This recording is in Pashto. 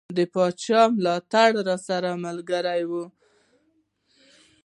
د پاچا ملاتړ راسره ملګری وو.